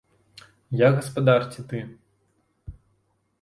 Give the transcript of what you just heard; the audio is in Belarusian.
Я гаспадар ці ты?